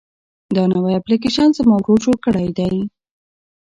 دا نوی اپلیکیشن زما ورور جوړ کړی دی.